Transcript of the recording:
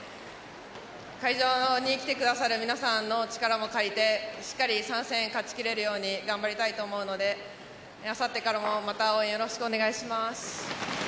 会場に来てくださる皆さんの力も借りてしっかり３戦、勝ちきれるように頑張りたいと思うのであさってからもまた応援よろしくお願いします。